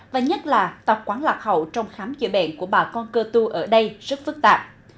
và nhất là tập quán lạc hậu trong khám chữa bệnh của bà con cơ tu ở đây rất phức tạp